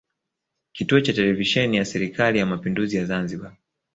Kituo cha Televisheni ya Serikali ya Mapinduzi ya Zanzibar